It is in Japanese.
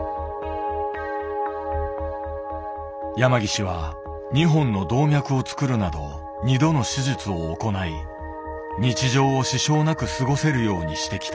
山岸は２本の動脈を作るなど２度の手術を行い日常を支障なく過ごせるようにしてきた。